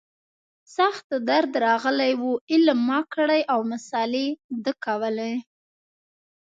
سخت درد راغلى و علم ما کړى او مسالې ده کولې.